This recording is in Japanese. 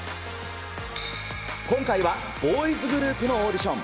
今回はボーイズグループのオーディション。